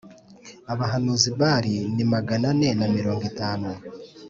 abahanuzi Bali ni magana ane na mirongo itanu